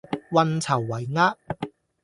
運籌帷幄